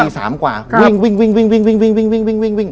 สามกว่าวิ่งวิ่งวิ่งวิ่ง